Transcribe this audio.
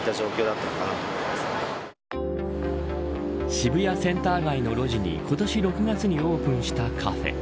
渋谷センター街の路地に今年６月にオープンしたカフェ。